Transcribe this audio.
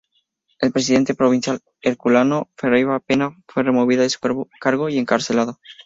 El presidente provincial Herculano Ferreira Pena fue removido de su cargo y encarcelado.